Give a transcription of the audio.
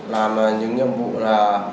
làm những nhiệm vụ là